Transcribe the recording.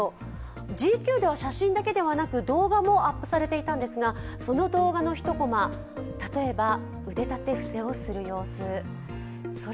「ＧＱ」では写真だけでなく、動画もアップされていたんですが、その動画の１コマ、例えば腕立て伏せをする様子